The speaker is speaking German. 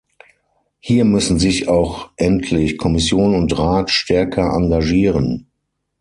Hier müssen sich auch endlich Kommission und Rat stärker engagieren.